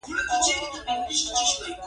قلم د ټولنې غږ دی